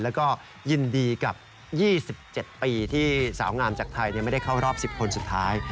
แล้วก็ยินดีกับ๒๗ปีที่สาวงามจากไทยไม่ได้เข้ารอบ๑๐คนสุดท้าย